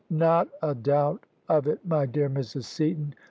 " Not a doubt of it, my dear Mrs. Seaton.